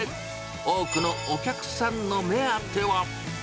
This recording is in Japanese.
多くのお客さんの目当ては。